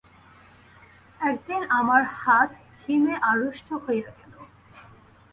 একদিন আমার হাত হিমে আড়ষ্ট হইয়া গেল।